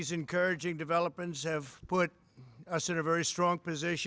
pembangunan yang mencari kembali ini telah membuat kita berpikir yang sangat kuat